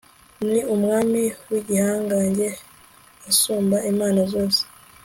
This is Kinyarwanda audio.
ni umwami w'igihangange, asumba imana zose